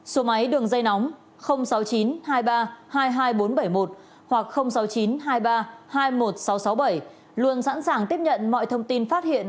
số máy đường dây nóng sáu mươi chín hai mươi ba hai mươi hai nghìn bốn trăm bảy mươi một hoặc sáu mươi chín hai mươi ba hai mươi một nghìn sáu trăm sáu mươi bảy luôn sẵn sàng tiếp nhận mọi thông tin phát hiện